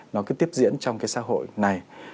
nó cứ tiếp diễn trong cái xã hội này